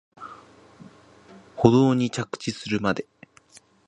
舗道に着地するまで